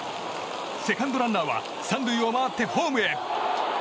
セカンドランナーは３塁を回ってホームへ。